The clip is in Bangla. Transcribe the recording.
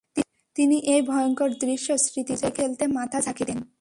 তিনি এই ভয়ঙ্কর দৃশ্য স্মৃতি থেকে মুছে ফেলতে মাথা ঝাঁকি দেন।